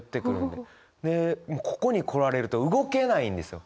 でここに来られると動けないんですよ。